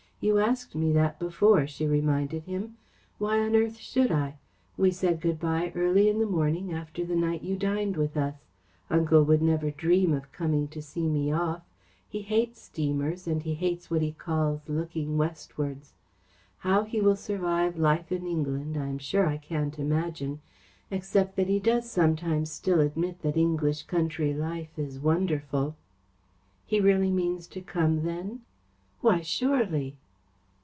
"You asked me that before," she reminded him. "Why on earth should I? We said good by early in the morning after the night you dined with us. Uncle would never dream of coming to see me off. He hates steamers and he hates what he calls 'looking westwards.' How he will survive life in England I am sure I can't imagine, except that he does sometimes still admit that English country life is wonderful." "He really means to come then?" "Why, surely."